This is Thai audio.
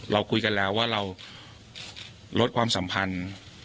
เราคุยกันแล้วว่าเราลดความสัมพันธ์